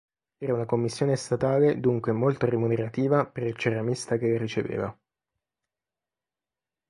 Era una commissione statale dunque molto remunerativa per il ceramista che la riceveva.